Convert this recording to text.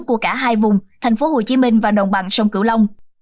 của cả hai vùng thành phố hồ chí minh và đồng bằng sông cửu long